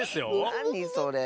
なにそれ？